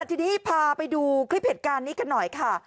ทีนี้พาไปดูคลิปเหตุการณ์นี้กันหน่อยค่ะ